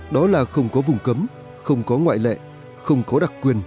đó là không có vùng cấm không có ngoại lệ không có đặc quyền